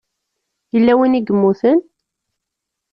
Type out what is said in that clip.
yella win i yemmuten?